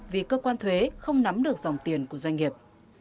vì cơ quan thuế không nắm được dòng tiền của doanh nghiệp